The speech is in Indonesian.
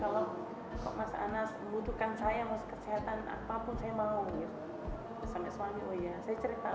ya benar saya kalau cerita